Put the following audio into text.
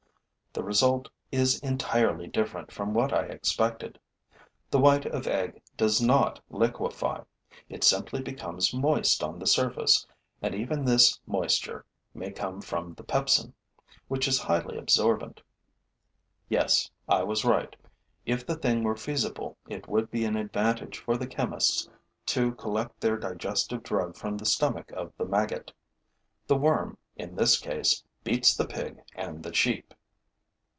The result is entirely different from what I expected. The white of egg does not liquefy. It simply becomes moist on the surface; and even this moisture may come from the pepsin, which is highly absorbent. Yes, I was right: if the thing were feasible, it would be an advantage for the chemists to collect their digestive drug from the stomach of the maggot. The worm, in this case, beats the pig and the sheep.